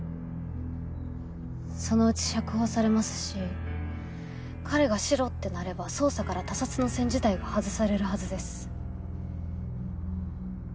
そのうち釈放されますし彼がシロってなれば捜査から他殺の線自体が外されるはずです。